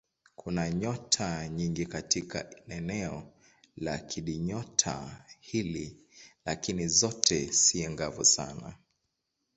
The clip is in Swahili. Kuna nyota nyingi katika eneo la kundinyota hili lakini zote si angavu sana.